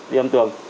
đi âm tường